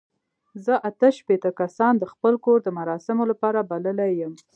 زه اته شپېته کسان د خپل کور د مراسمو لپاره بللي یم.